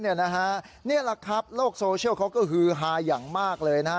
นี่แหละครับโลกโซเชียลเขาก็ฮือฮาอย่างมากเลยนะฮะ